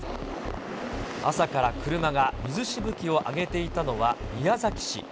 朝から車が水しぶきを上げていたのは宮崎市。